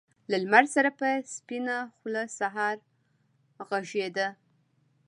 له لمر سره په سپينه خــــوله سهار غــــــــږېده